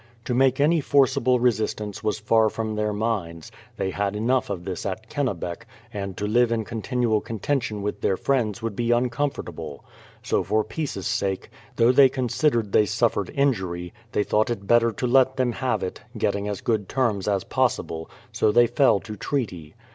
To make any forcible re sistance was far from their minds, — they had enough of that at Kennebec, — and to live in continual contention with their friends would be uncomfortable. So for peace' sake, though they considered they sufifered injury, they thought it better to let them have it, getting as good terms as possible ; so they fell to treaty.